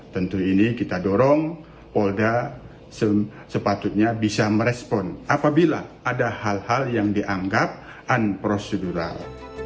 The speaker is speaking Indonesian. tentu ini kita dorong polda sepatutnya bisa merespon apabila ada hal hal yang dianggap unprocedural